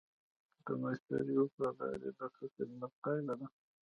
د مشتری وفاداري د ښه خدمت پایله ده.